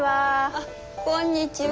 あっこんにちは。